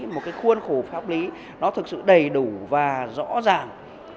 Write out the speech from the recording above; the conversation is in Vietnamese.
một cái khuôn khổ pháp lý nó thực sự đầy đủ và rõ ràng